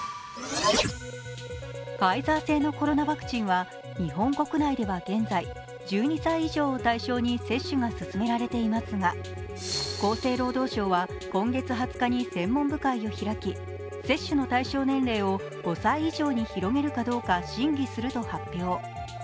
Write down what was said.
ファイザー製のコロナワクチンは日本国内では現在１２歳以上を対象に接種が進められていますが、厚生労働省は今月２０日に専門部会を開き接種の対象年齢を５歳以上に広げるかどうか審議すると発表。